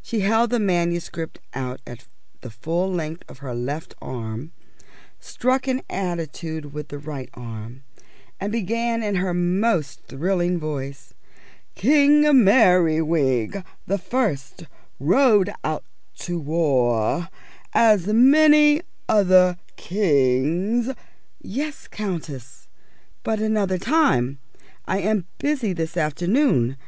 She held the manuscript out at the full length of her left arm, struck an attitude with the right arm, and began in her most thrilling voice: "King Merriwig the First rode out to war, _As many other kings _" "Yes, Countess, but another time. I am busy this afternoon.